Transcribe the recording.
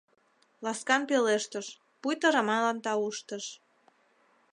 Ласкан пелештыш, пуйто Раманлан тауштыш: